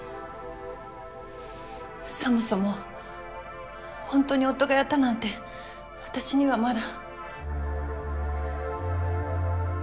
そもそも本当に夫がやったなんて私にはまだ。